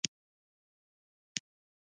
خاطرات به یې په انګرېزي لیکلي وي.